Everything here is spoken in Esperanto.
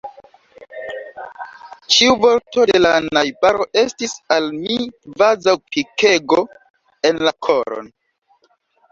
Ĉiu vorto de la najbaro estis al mi kvazaŭ pikego en la koron.